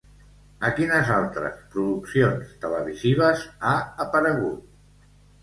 A quines altres produccions televisives ha aparegut?